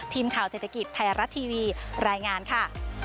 ทีมข่าวเศรษฐกิจไทยรัฐทีวีรายงานค่ะ